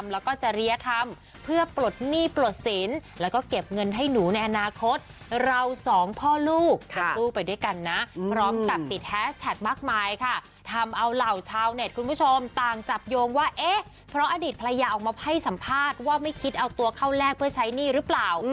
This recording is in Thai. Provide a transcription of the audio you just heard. แล้วเหล่าชาวแน็ตคุณผู้ชมต่างจับโยงว่าเจออาฤตภรรยาออกมาให้สัมภาษณ์ว่าไม่คิดเอาตัวเข้าแลกเพื่อใช้งานนี่หรือเปล่า